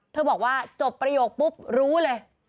บอกว่าจบประโยคปุ๊บรู้เลย